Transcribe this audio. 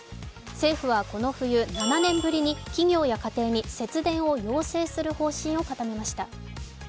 政府はこの冬、７年ぶりに企業や家庭に節電を要請する方針を固めました。